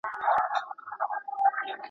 رخصتېږم تا پر خداى باندي سپارمه.